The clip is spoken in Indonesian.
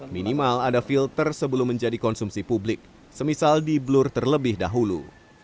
minimal ada filter sebelum menjadi konsumsi publik semisal di blur terlebih dahulu